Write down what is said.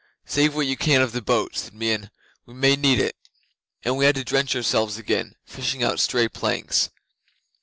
'"Save what you can of the boat," said Meon; "we may need it," and we had to drench ourselves again, fishing out stray planks.